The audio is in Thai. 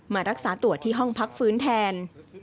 มารักษาตัวที่ห้องพักฟื้นแทน